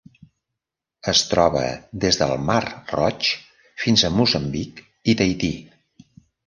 Es troba des del Mar Roig fins a Moçambic i Tahití.